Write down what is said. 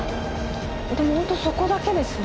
でもホントそこだけですね。